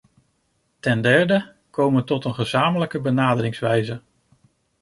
Ten derde: komen tot een gezamenlijke benaderingswijze.